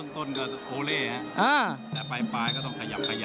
ต้นก็โอเล่แต่ปลายก็ต้องขยับขยับ